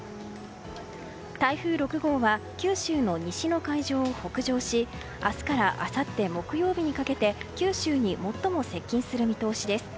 台風６号は九州の西の海上を北上し明日からあさって木曜日にかけて九州に最も接近する見通しです。